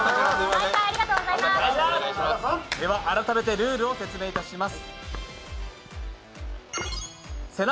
では、改めてルールを説明いたします。